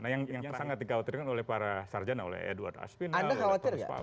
nah yang sangat dikhawatirkan oleh para sarjana oleh edward aspinall oleh prof palo